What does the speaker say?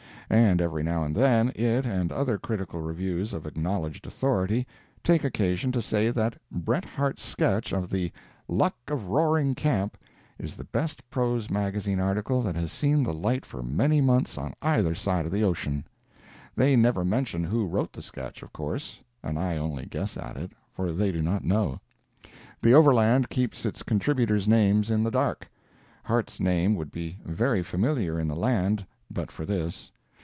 And every now and then, it and the other critical reviews of acknowledged authority, take occasion to say that Bret Harte's sketch of the "Luck of Roaring Camp" is the best prose magazine article that has seen the light for many months on either side of the ocean. They never mention who wrote the sketch, of course (and I only guess at it), for they do not know. The Overland keeps it contributors' names in the dark. Harte's name would be very familiar in the land but for this.